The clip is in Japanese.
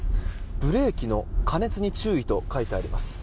ブレーキの過熱に注意と書いてあります。